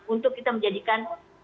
untuk kita menjadikan